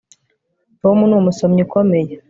Tom numusomyi ukomeye